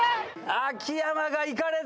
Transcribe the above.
秋山がいかれた。